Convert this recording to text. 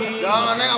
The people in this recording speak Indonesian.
pengulangan ya coba